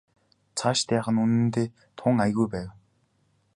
Цаашид яах нь үнэндээ тун аягүй байв.